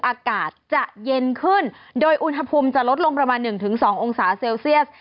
อากาศจะเย็นขึ้นโดยอุณหภูมิจะลดลงประมาณ๑๒องศาเซลเซียส